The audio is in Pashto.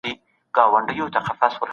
الله زموږ زړونه د ایمان په رڼا روښانه کوي.